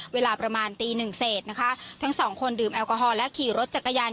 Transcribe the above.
เวลาประมาณตีหนึ่งเศษนะคะทั้งสองคนดื่มแอลกอฮอลและขี่รถจักรยาน